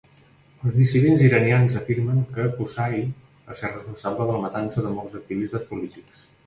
Els dissidents iranians afirmen que Qusay va ser responsable de la matança de molts activistes polítics.